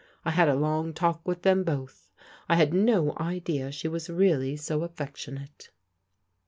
I had a long talk with them both. I had no idea she was reallv so affectionate."